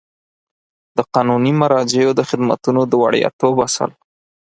د قانوني مراجعو د خدمتونو د وړیاتوب اصل